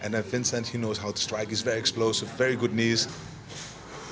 dan vincent dia tahu bagaimana berlari dia sangat eksplosif dengan kaki yang sangat baik